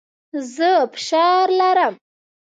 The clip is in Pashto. زه فشار لرم.